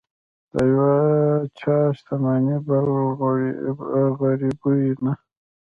د یو چا شتمني بل غریبوي نه.